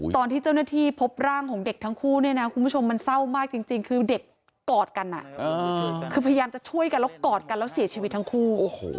ตอนที่เจ้าหน้าที่พบร่างของเด็กทั้งคู่เนี่ยนะคุณผู้ชมมันเศร้ามากจริงคือเด็กกอดกันคือพยายามจะช่วยกันแล้วกอดกันแล้วเสียชีวิตทั้งคู่